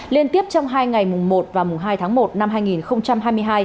liên tiếp trong hai ngày mùng một và mùng hai tháng một năm hai nghìn hai mươi hai